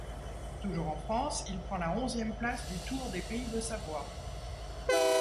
Toujours en France, il prend la onzième place du Tour des Pays de Savoie.